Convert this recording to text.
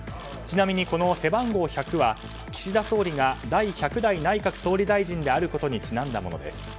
ちなみに、この背番号１００は岸田総理が第１００代内閣総理大臣であることにちなんだものです。